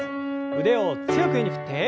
腕を強く上に振って。